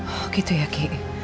oh gitu ya ki